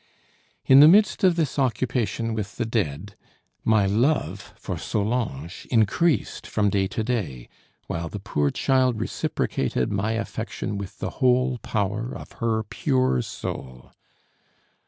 In the midst of this occupation with the dead, my love for Solange increased from day to day; while the poor child reciprocated my affection with the whole power of her pure soul.